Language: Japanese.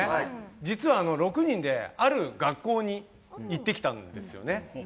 実は６人である学校に行ってきたんですよね。